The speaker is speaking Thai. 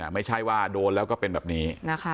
ไม่ใช่ว่าโดนแล้วก็เป็นแบบนี้